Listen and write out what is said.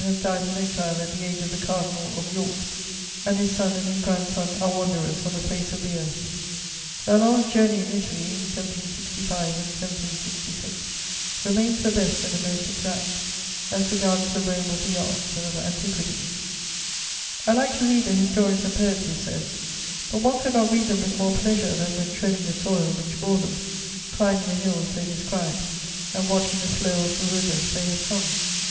has died in exile at the age of the Cardinal of York, and his son and his grandson are wanderers on the face of the earth! Lalande's Journey in Italy, in 1765 and 1766, remains the best and the most exact as regards the Rome of the arts and of antiquities: "I like to read the historians and poets," he says, "but one could not read them with more pleasure than when treading the soil which bore them, climbing the hills they describe, and watching the flow of the rivers they have sung."